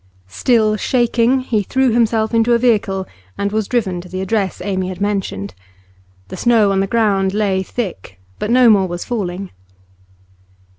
Still shaking, he threw himself into a vehicle and was driven to the address Amy had mentioned. The snow on the ground lay thick, but no more was falling.